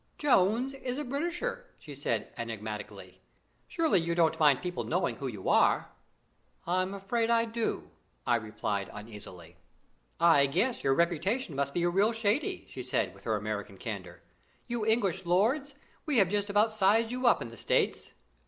"Jones is a Britisher!" she said enigmatically. "Surely you don't mind people knowing who you are?" "I'm afraid I do," I replied uneasily. "I guess your reputation must be real shady," she said, with her American candour. "You English lords, we have just about sized you up in the States."